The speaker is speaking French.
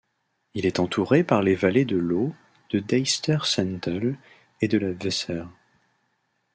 Il est entouré par les vallées de l'Aue, de Deister-Süntel et de la Weser.